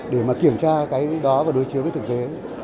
để mà kiểm tra cái đó và đối chiếu với thực tế